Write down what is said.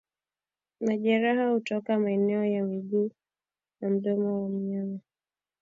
Majeraha hutoka maeneo ya miguu na mdomo kwa mnyama